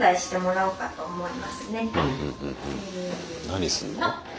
何すんの？